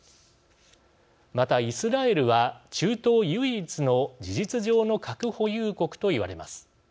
また、イスラエルは中東唯一の事実上の核保有国と言われます。